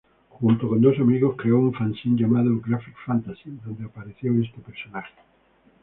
Junto con dos amigos creó un fanzine llamado Graphic Fantasy, donde apareció este personaje.